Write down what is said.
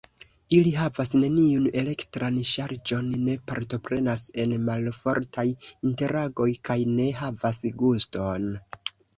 Ili havas neniun elektran ŝargon, ne partoprenas en malfortaj interagoj kaj ne havas guston.